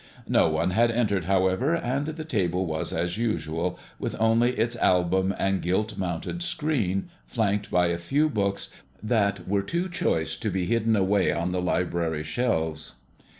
No one had entered, however, and the table was as usual, with only its album and gilt mounted screen, flanked by a few books that were too choice to be hidden away on the library shelves.